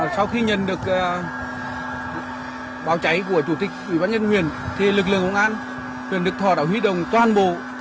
sau khi nhận được báo cháy của chủ tịch ubnd huyện thì lực lượng công an huyện tức họ đã huy đồng toàn bộ